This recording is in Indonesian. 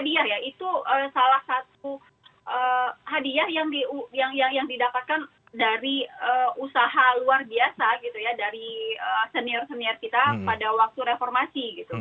itu salah satu hadiah yang didapatkan dari usaha luar biasa dari senior senior kita pada waktu reformasi